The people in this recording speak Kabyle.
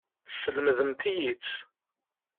Teslemdemt-iyi-tt.